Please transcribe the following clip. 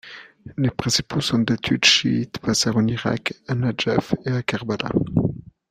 Les principaux centres d’étude chiites passèrent en Irak, à Nadjaf et Karbala.